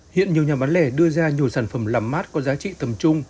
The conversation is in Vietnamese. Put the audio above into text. hiện nhiều nhà bán lẻ đưa ra nhiều sản phẩm làm mát có giá trị tầm trung